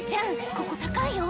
ここ高いよ